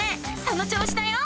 その調子だよ！